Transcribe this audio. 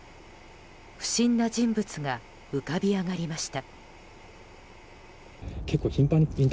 不審な人物が浮かび上がりました。